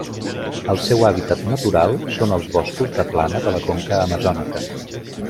El seu hàbitat natural són els boscos de plana de la conca amazònica.